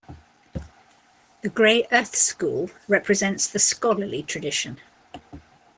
The "Grey Earth" school represents the scholarly tradition.